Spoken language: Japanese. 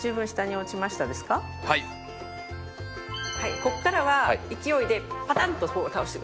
ここからは勢いでパタンッと倒してください。